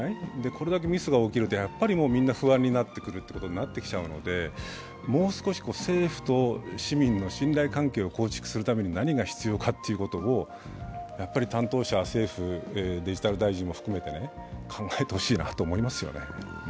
これだけミスが起きるとやっぱりみんな不安になってくるってなってきちゃうのでもう少し政府と市民の信頼関係を構築するために何が必要かということを担当者、政府、デジタル大臣も含めて考えてほしいなと思いますね。